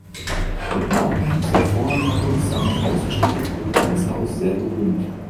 Mit Maughams hervorragender Kunstsammlung ausgestattet, wurde dieses Haus sehr berühmt.